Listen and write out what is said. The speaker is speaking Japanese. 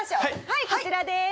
はいこちらです。